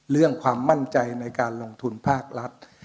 เรื่องความมั่นใจในการลงทุนภาครัฐ